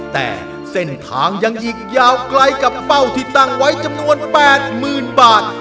แต่เส้นทางยังหยิกยาวไกลกับเป้าที่ตั้งไว้จำนวน๘๐๐๐บาท